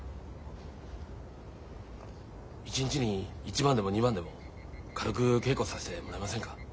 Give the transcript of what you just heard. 一日に一番でも二番でも軽く稽古させてもらえませんか？